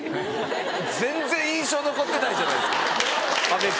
全然印象残ってないじゃないですか阿部君。